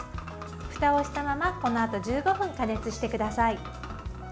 ふたをしたままこのあと１５分加熱してください。